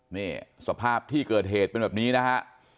นี่สภาพที่เกิดเหตุเป็นแบบนี้นะฮะ